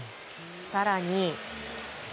更に。